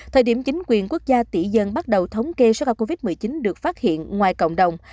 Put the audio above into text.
thời điểm chính quyền quốc gia tỷ dân bắt đầu thống kê số ca covid một mươi chín được phát hiện ngoài cộng đồng